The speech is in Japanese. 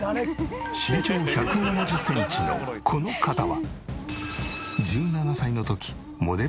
身長１７０センチのこの方は。